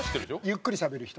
ゆっくりしゃべる人？